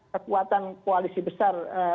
kekuatan koalisi besar